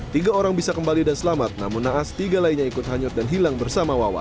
tiga orang bisa kembali dan selamat namun naas tiga lainnya ikut hanyut dan hilang bersama wawan